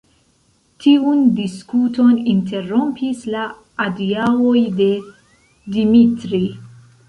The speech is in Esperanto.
Tiun diskuton interrompis la adiaŭoj de Dimitri.